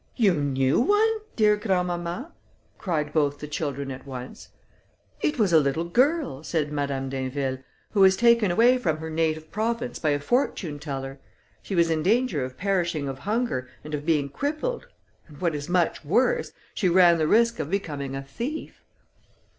"You knew one, dear grandmamma!" cried both the children at once. "It was a little girl," said Madame d'Inville, "who was taken away from her native province by a fortune teller; she was in danger of perishing of hunger, and of being crippled, and what is much worse, she ran the risk of becoming a thief."